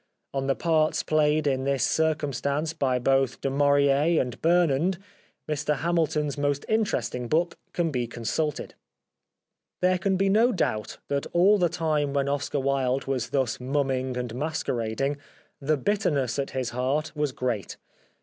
On the parts played in this circum stance by both Du Maurier and Burnand Mr Hamilton's most interesting book can be con sulted. There can be no doubt that all the time when Oscar Wilde was thus mumming and masquer ading the bitterness at his heart was great.